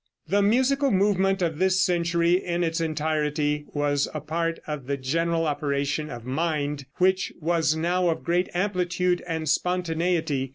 The musical movement of this century in its entirety was a part of the general operation of mind, which was now of great amplitude and spontaneity.